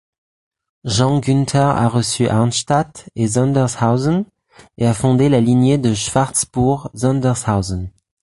Jean Günther a reçu Arnstadt et Sondershausen, et a fondé la lignée de Schwarzbourg-Sondershausen.